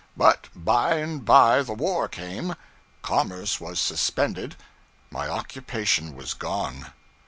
But by and by the war came, commerce was suspended, my occupation was gone.